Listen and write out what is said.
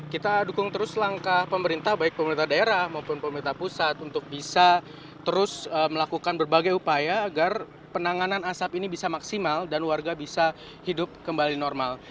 kita dukung terus langkah pemerintah baik pemerintah daerah maupun pemerintah pusat untuk bisa terus melakukan berbagai upaya agar penanganan asap ini bisa maksimal dan warga bisa hidup kembali normal